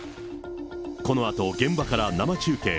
このあと現場から生中継。